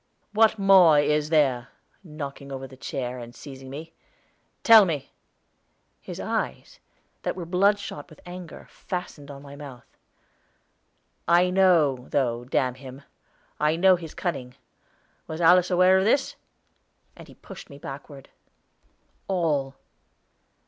"What more is there?" knocking over the chair, and seizing me; "tell me." His eyes, that were bloodshot with anger, fastened on my mouth. "I know, though, damn him! I know his cunning. Was Alice aware of this?" And he pushed me backward. "All."